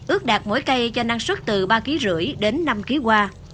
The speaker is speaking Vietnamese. ước đạt mỗi cây cho năng suất từ ba năm kg đến năm kg qua